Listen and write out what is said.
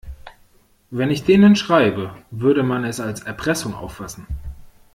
Wenn ich denen schreibe, würde man es als Erpressung auffassen.